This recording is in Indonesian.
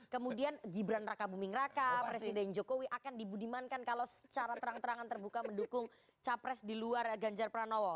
kemudian gibran raka buming raka presiden jokowi akan dibudimankan kalau secara terang terangan terbuka mendukung capres di luar ganjar pranowo